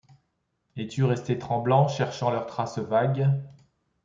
Es-tu resté tremblant, cherchant leur trace vague ?